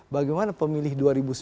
bagaimana pemilih dua ribu sembilan belas